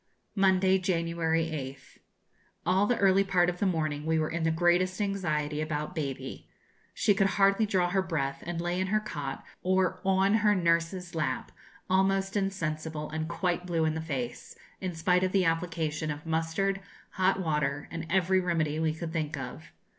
Monday, January 8th. All the early part of the morning we were in the greatest anxiety about Baby; she could hardly draw her breath, and lay in her cot, or on her nurse's lap, almost insensible, and quite blue in the face, in spite of the application of mustard, hot water, and every remedy we could think of.